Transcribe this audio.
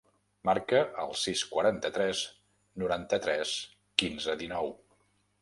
Marca el sis, quaranta-tres, noranta-tres, quinze, dinou.